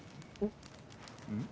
うん？